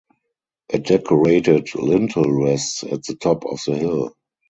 A decorated lintel rests at the top of the hill.